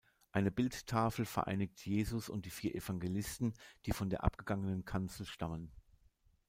Eine Bildtafel vereinigt Jesus und die vier Evangelisten, die von der abgegangenen Kanzel stammen.